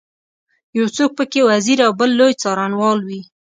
یو څوک په کې وزیر او بل لوی څارنوال وي.